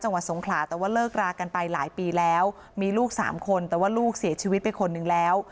สงขลาแต่ว่าเลิกรากันไปหลายปีแล้วมีลูกสามคนแต่ว่าลูกเสียชีวิตไปคนหนึ่งแล้ว